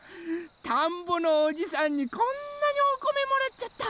たんぼのおじさんにこんなにおこめもらっちゃった！